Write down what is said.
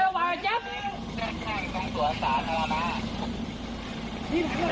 แก๊สข้างข้างสวนศาลธรรมะ